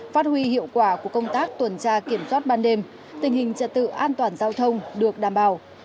phát huy hiệu quả của công tác tuần tra kiểm soát ban đêm tình hình trật tự an toàn giao thông được đảm bảo